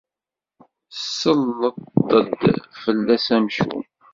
Selleṭ-d fell-as amcum.